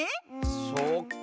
そっかあ。